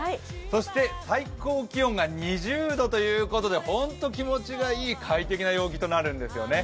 そして最高気温が２０度ということで本当に気持ちがいい快適な陽気となるんですよね。